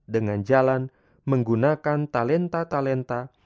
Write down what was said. dengan jalan menggunakan talenta talenta